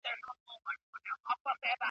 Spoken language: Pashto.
دا شعر چه سړی هر څومره اوږدواوږدوي !.